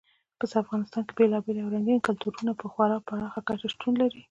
په افغانستان کې بېلابېل او رنګین کلتورونه په خورا پراخه کچه شتون لري.